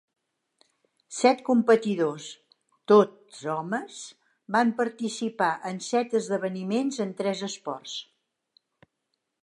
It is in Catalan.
Set competidors, tots homes, van participar en set esdeveniments en tres esports.